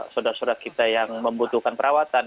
sodara sodara kita yang membutuhkan perawatan